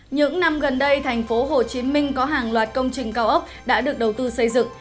những năm gần đây thành phố hồ chí minh có hàng loạt công trình cao ốc đã được đầu tư xây dựng